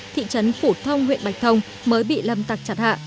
thị trấn phủ thông huyện bạch thông mới bị lâm tặc chặt hạ